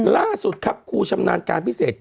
ล่าสุดครับครูชำนาญการพิเศษ